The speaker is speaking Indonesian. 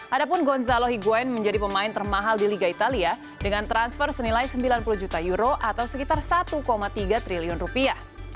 adapun gonzalo higuain menjadi pemain termahal di liga italia dengan transfer senilai sembilan puluh juta euro atau sekitar satu tiga triliun rupiah